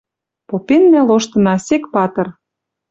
Попеннӓ лоштына — Секпатр.